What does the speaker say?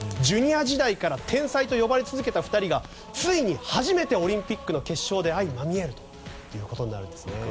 ジュニア時代から天才と呼ばれ続けた２人がついに初めてオリンピックの決勝で相まみえるということになるんですね。